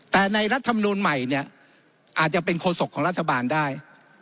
แต่ในรัฐธรรมนูลใหม่เนี่ยอาจจะเป็นโฆษกของรัฐบาลได้